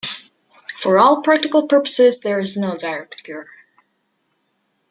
For all practical purposes, there is no direct cure.